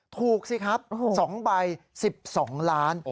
ถูกสิครับ๒ใบ๑๒ล้าน